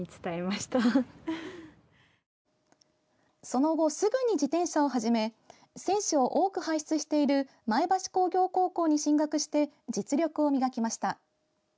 その後すぐに自転車を始め選手を多く輩出している前橋工業高校に進学して実力を磨きました。